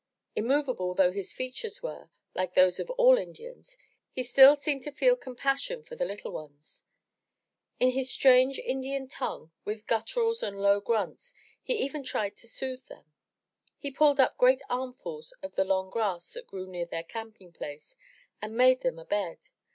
Immovable though his features were, like those of all Indians, he still seemed to feel compassion for the little ones. In his strange Indian tongue with gutturals and low grunts, he even tried to soothe them. He pulled up great armfuls of the long grass that grew near their camping place and made them a bed.